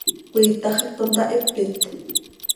¿Cöiitax hac contahipit?